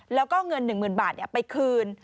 แล้วก็เงิน๑๐๐๐บาทไปคืน